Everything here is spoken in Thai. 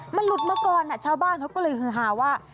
มันหลุดมาก่อนชาวบ้านเขาก็เลยฮือฮาว่า